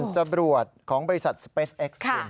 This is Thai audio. จรวดของบริษัทสเปสเอ็กซ์คุณ